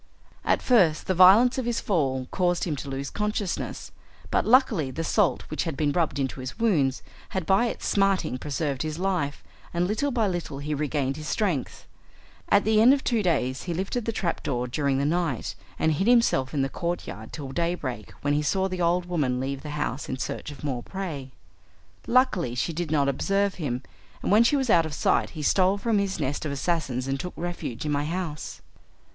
At first the violence of his fall caused him to lose consciousness, but luckily the salt which had been rubbed into his wounds had by its smarting preserved his life, and little by little he regained his strength. At the end of two days he lifted the trapdoor during the night and hid himself in the courtyard till daybreak, when he saw the old woman leave the house in search of more prey. Luckily she did not observe him, and when she was out of sight he stole from this nest of assassins and took refuge in my house.